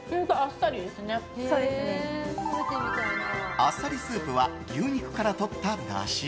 あっさりスープは牛肉から取っただし。